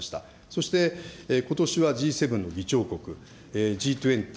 そして、ことしはＧ７の議長国、Ｇ２０